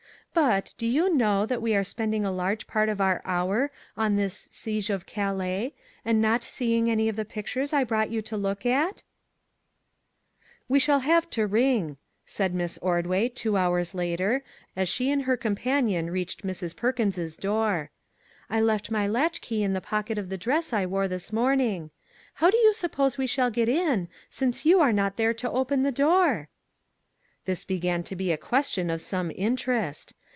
But, do you know that we are spending a large part of our hour on this " Siege of Calais," and not seeing any of the pictures I brought you to look at? "" We shall have to ring," said Miss Ordway two hours later, as she and her companion reached Mrs. Perkins's door. " I left my latch key in the pocket of the dress I wore this morn ing. How do you suppose we shall get in, since you are not there to open the door ?" This began to be a question of some interest.